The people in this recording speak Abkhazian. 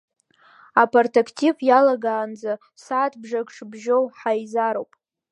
Апартактив иалагаанӡа сааҭ-бжак шыбжьоу, ҳаизароуп.